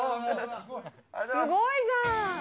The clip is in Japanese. すごいじゃん。